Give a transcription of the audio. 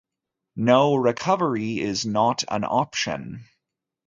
No recovery is not an option.